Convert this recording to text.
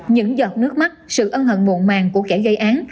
những giọt nước mắt sự ân hận muộn màng của kẻ gây án